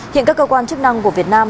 hiện các cơ quan chức năng của việt nam